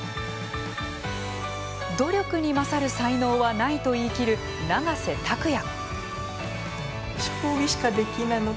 努力に勝る才能はないと言い切る永瀬拓矢。